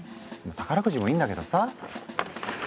宝くじもいいんだけどさ